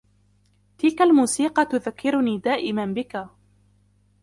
تلك الموسيقى تذكرني دائماً بك.